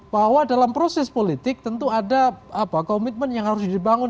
bahwa dalam proses politik tentu ada komitmen yang harus dibangun